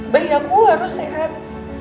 bayi aku harus sehat